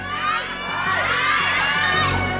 ร้องได้ครับ